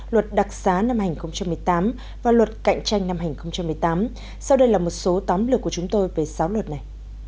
luật đặc giá năm hai nghìn một mươi tám và luật cạnh tranh năm hai nghìn một mươi tám sau đây là một số tóm lược của chúng tôi về sáu luật này